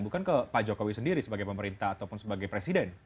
bukan ke pak jokowi sendiri sebagai pemerintah ataupun sebagai presiden